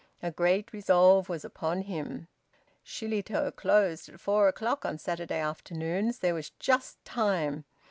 A great resolve was upon him. Shillitoe closed at four o'clock on Saturday afternoons. There was just time.